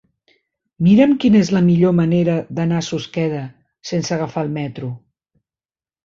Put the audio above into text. Mira'm quina és la millor manera d'anar a Susqueda sense agafar el metro.